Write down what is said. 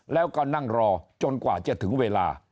แล้วก็นั่งรอจนกว่าจะถึงเวลา